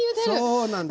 そうなんです。